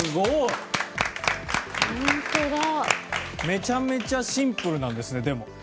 めちゃめちゃシンプルなんですねでも。